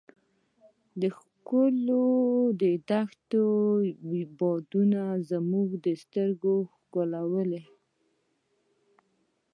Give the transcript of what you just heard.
د ښکلو دښتو بادونو زموږ سترګې ښکلولې.